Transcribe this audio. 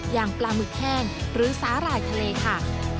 อย่างปลาหมึกแห้งหรือสาหร่ายทะเลค่ะ